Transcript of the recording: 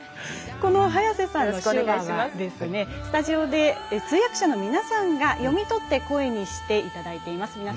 早瀬さんの手話はスタジオで通訳者の皆さんが読み取って声にしていただいています。